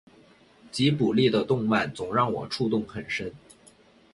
吉卜力的动漫总让我触动很深